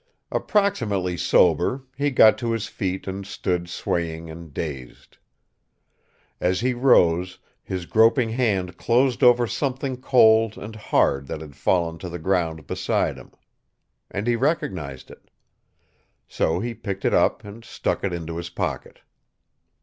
Approximately sober, he got to his feet and stood swaying and dazed. As he rose, his groping hand closed over something cold and hard that had fallen to the ground beside him. And he recognized it. So he picked it up and stuck it into his pocket.